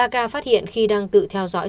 ba ca phát hiện khi đang tự theo dõi